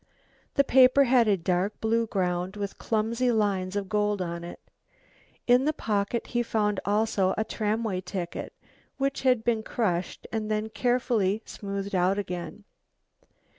The paper had a dark blue ground with clumsy lines of gold on it. In the pocket he found also a tramway ticket, which had been crushed and then carefully smoothed out again.